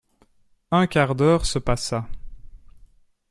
Un quart d’heure se passa.